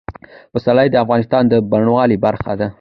پسرلی د افغانستان د بڼوالۍ برخه ده.